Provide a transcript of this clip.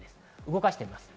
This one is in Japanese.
動かしてみます。